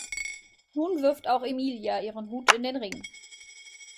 Nun wirft auch Emilia ihren Hut in den Ring.